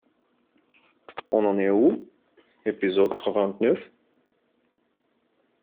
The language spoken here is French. On en est où, épisode quarante-neuf ?